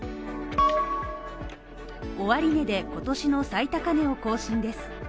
終値で今年の最高値を更新です。